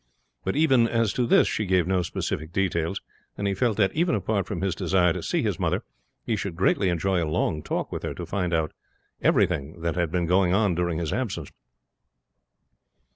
But even as to this she gave him no specific details; and he felt that, even apart from his desire to see his mother, he should greatly enjoy a long talk with her, to find out about everything that had been going on during his absence.